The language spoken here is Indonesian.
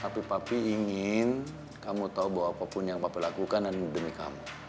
tapi papi ingin kamu tau bahwa apapun yang papi lakukan adalah demi kamu